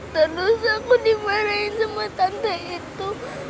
terus aku dimarahin sama tante itu